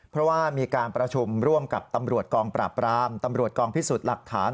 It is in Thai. เพราะว่ามีการประชุมร่วมกับตำรวจกองปราบรามตำรวจกองพิสูจน์หลักฐาน